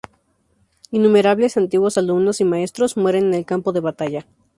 Innumerables antiguos alumnos y maestros mueren en el campo de batalla.